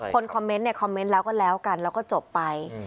คอมเมนต์ในคอมเมนต์แล้วก็แล้วกันแล้วก็จบไป